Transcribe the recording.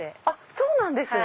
そうなんですね。